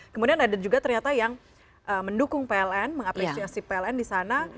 kemudian ada juga ternyata yang mendukung pln mengapresiasi pln di sana